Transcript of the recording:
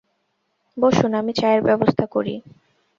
বসুন, আমি চায়ের ব্যবস্থা করি।